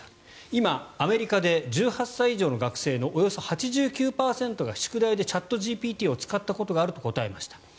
今、アメリカで１８歳以上の学生のおよそ８９％が宿題でチャットＧＰＴを使ったことがあると答えました。